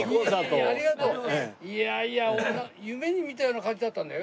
いやいや夢に見たような感じだったんだよ。